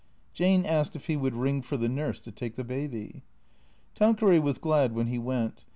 Jane asked if he would ring for the nurse to take the baby. Tanqueray was glad when he went.